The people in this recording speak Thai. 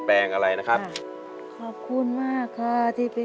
ภูมิ